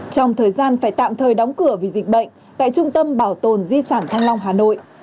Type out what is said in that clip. trong thời gian phải tạm thời đóng cửa vì dịch bệnh tại trung tâm bảo tồn di sản thăng long hà nội